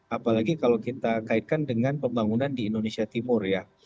apalagi kalau kita kaitkan dengan pembangunan di indonesia timur ya